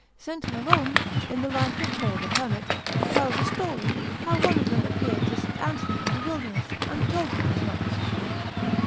St. Hierome, in the life of Paul the Hermit, tells a story how one of them appeared to St. Anthony in the wilderness, and told him as much.